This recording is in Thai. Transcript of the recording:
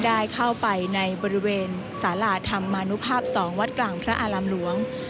ได้เข้าไปในบริเวณสาราธรรมนุภาพ๒วัดกลางพระอารามหลวง